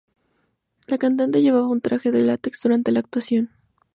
La cantante llevaba un traje de látex durante la actuación.